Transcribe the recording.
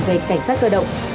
về cảnh sát cơ động